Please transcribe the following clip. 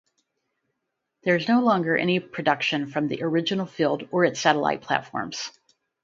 There is no longer any production from the original field or its satellite platforms.